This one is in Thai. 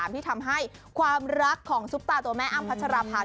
ที่ทำให้ความรักของซุปตาตัวแม่อ้ำพัชราภา